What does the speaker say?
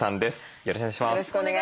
よろしくお願いします。